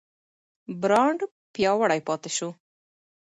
برانډ پیاوړی پاتې شو.